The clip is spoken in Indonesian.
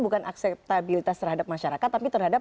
bukan akseptabilitas terhadap masyarakat tapi terhadap